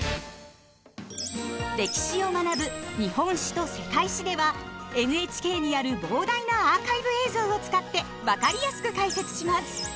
歴史を学ぶ「日本史」と「世界史」ではＮＨＫにある膨大なアーカイブ映像を使って分かりやすく解説します。